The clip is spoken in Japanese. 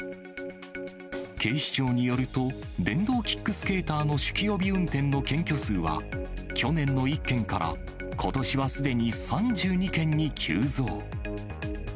警視庁によると、電動キックスケーターの酒気帯び運転の検挙数は、去年の１件から、ことしはすでに３２件に急増。